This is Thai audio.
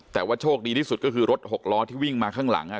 แต่ว่าโชคดีที่สุดก็คือรถหกล้อที่วิ่งมาข้างหลัง